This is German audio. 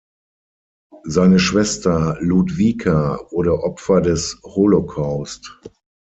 Seine Schwester Ludwika wurde Opfer des Holocaust.